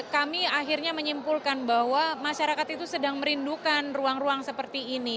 kami akhirnya menyimpulkan bahwa masyarakat itu sedang merindukan ruang ruang seperti ini